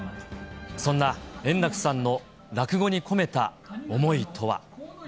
そんな円楽さんの落語に込めた思いとは。